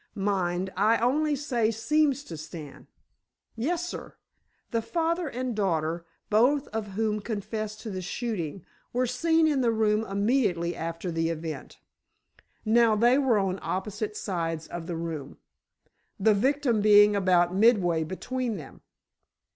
Mind, I only say seems to stand." "Yessir." "The father and daughter—both of whom confess to the shooting, were seen in the room immediately after the event. Now, they were on opposite sides of the room, the victim being about midway between them.